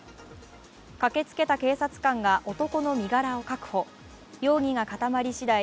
駆けつけた警察官が男の身柄を確保、容疑が固まりしだい